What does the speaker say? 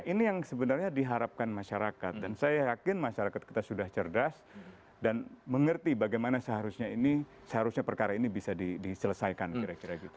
ini yang sebenarnya diharapkan masyarakat dan saya yakin masyarakat kita sudah cerdas dan mengerti bagaimana seharusnya ini seharusnya perkara ini bisa diselesaikan kira kira gitu